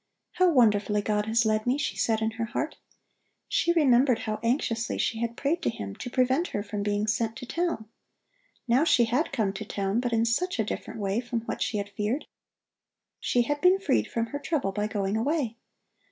"How wonderfully God has led me," she said in her heart. She remembered how anxiously she had prayed to Him to prevent her from being sent to town. Now she had come to town, but in such a different way from what she had feared! She had been freed from her trouble by going away.